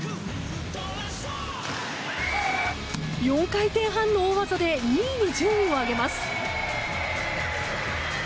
４回転半の大技で２位に順位を上げます。